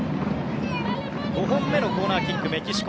５本目のコーナーキックメキシコ。